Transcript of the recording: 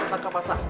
anda tetangka pasah